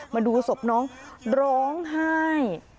มาดูศพน้องร้องไห้